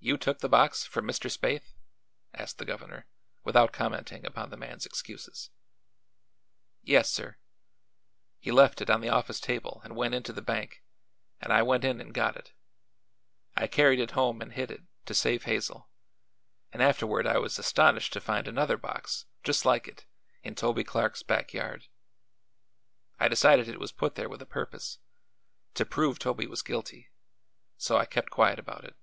"You took the box from Mr. Spaythe?" asked the governor, without commenting upon the man's excuses. "Yes, sir. He left it on the office table and went into the bank, and I went in and got it. I carried it home and hid it, to save Hazel, and afterward I was astonished to find another box, just like it, in Toby Clark's back yard. I decided it was put there with a purpose to prove Toby was guilty so I kept quiet about it."